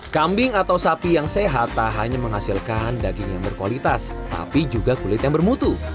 kambing atau sapi yang sehat tak hanya menghasilkan daging yang berkualitas tapi juga kulit yang bermutu